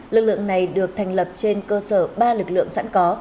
lực lượng này được thành lập trên cơ sở ba lực lượng sẵn có